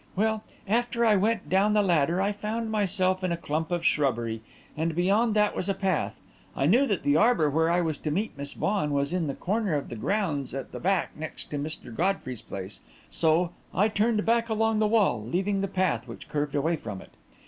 "Well, after I went down the ladder, I found myself in a clump of shrubbery, and beyond that was a path. I knew that the arbour where I was to meet Miss Vaughan was in the corner of the grounds at the back next to Mr. Godfrey's place, so I turned back along the wall, leaving the path, which curved away from it.